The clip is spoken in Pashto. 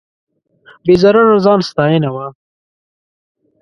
بې ضرره ځان ستاینه وه.